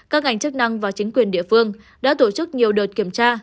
các ngành chức năng và chính quyền địa phương đã tổ chức nhiều đợt kiểm tra